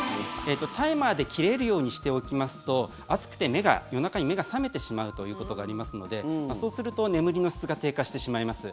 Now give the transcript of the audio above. タイマーで切れるようにしておきますと暑くて、夜中に目が覚めてしまうということがありますのでそうすると眠りの質が低下してしまいます。